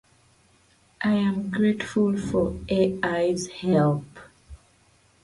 His career as an artist spanned forty years.